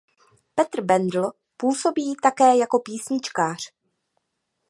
Petr Bendl působí také jako písničkář.